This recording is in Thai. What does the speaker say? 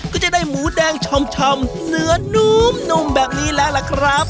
ก็จะได้หมูแดงชำเนื้อนุ่มแบบนี้แล้วล่ะครับ